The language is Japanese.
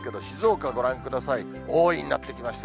多いになってきました。